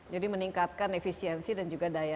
jadi meningkatkan efisiensi dan juga daya